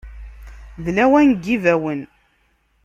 D lawan n yibawen.